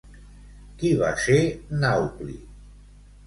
Qui va ser Naupli?